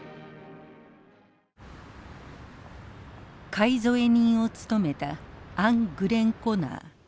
介添え人を務めたアン・グレンコナー。